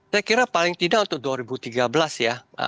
saya kira paling tidak untuk dua ribu tiga belas ya